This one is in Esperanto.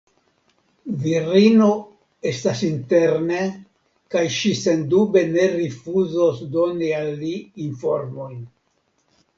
Virino estas interne kaj ŝi sendube ne rifuzos doni al li informojn.